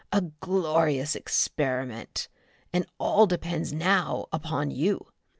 A glorious experiment, and all depends now upon you!